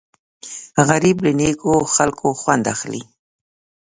غریب له نیکو خلکو خوند اخلي